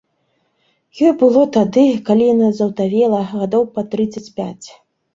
Ёй было тады, калі яна заўдавела, гадоў пад трыццаць пяць.